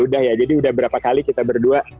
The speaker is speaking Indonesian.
udah ya jadi udah berapa kali kita berdua